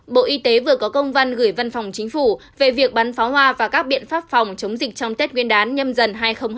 bộ y tế vừa có công văn gửi văn phòng chính phủ về việc bắn pháo hoa và các biện pháp phòng chống dịch trong tết nguyên đán nhâm dần hai nghìn hai mươi